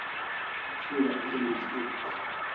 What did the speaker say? Suirak ze mastruk